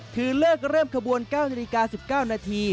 คือเลิกเริ่มขบวน๙นาฬิกา๑๙นาที